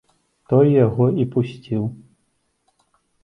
Той яго і пусціў.